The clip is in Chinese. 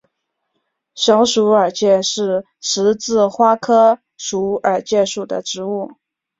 小鼠耳芥是十字花科鼠耳芥属的植物。